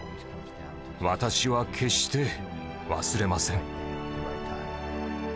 私は決して忘れません。